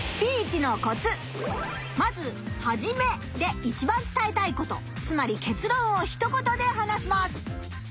まずはじめでいちばん伝えたいことつまり結論をひと言で話します。